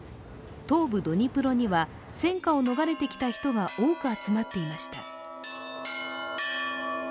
東部ドニプロには戦火を逃れてきた人が多く集まっていました。